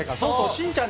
しんちゃん